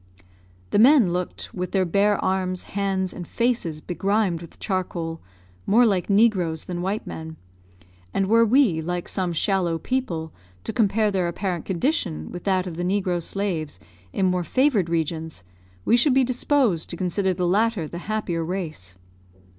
The men looked, with their bare arms, hands, and faces begrimed with charcoal, more like negroes than white men; and were we, like some shallow people, to compare their apparent condition with that of the negro slaves in more favoured regions, we should be disposed to consider the latter the happier race.